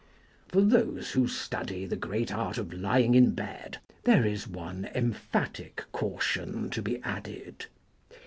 For those who study the great art of lying in bed there is one emphatic caution to be added.